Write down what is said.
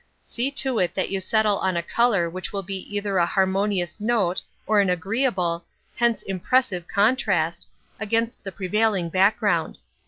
See to it that you settle on a colour which will be either a harmonious note or an agreeable, hence impressive contrast, against the prevailing background.